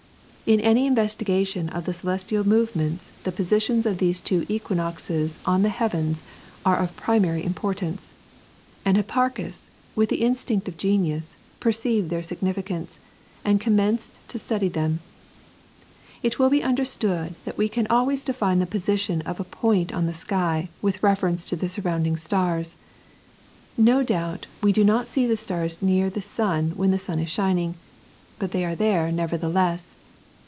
In any investigation of the celestial movements the positions of these two equinoxes on the heavens are of primary importance, and Hipparchus, with the instinct of genius, perceived their significance, and commenced to study them. It will be understood that we can always define the position of a point on the sky with reference to the surrounding stars. No doubt we do not see the stars near the sun when the sun is shining, but they are there nevertheless.